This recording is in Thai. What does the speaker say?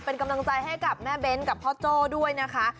เป็นกำลังใจให้กับแม่เบ้นกับพ่อโจ้ด้วยนะคะ